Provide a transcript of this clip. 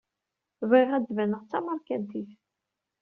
Bɣiɣ ad d-baneɣ d tameṛkantit.